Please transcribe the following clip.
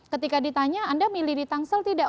ketika ditanya anda milih di tangsel tidak